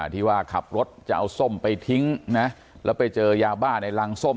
ที่ว่าขับรถจะเอาส้มไปทิ้งนะแล้วไปเจอยาบ้าในรังส้ม